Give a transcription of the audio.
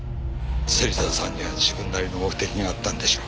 芹沢さんには自分なりの目的があったんでしょう。